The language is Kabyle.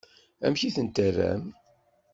Amek i ten-terram?